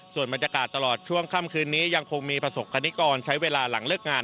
ส่วนบรรยากาศตลอดช่วงค่ำคืนนี้ยังคงมีประสบคณิกรใช้เวลาหลังเลิกงาน